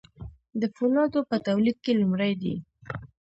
د فولادو په تولید کې لومړی دي.